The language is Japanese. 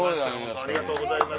ありがとうございます。